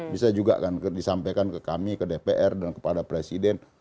bisa juga kan disampaikan ke kami ke dpr dan kepada presiden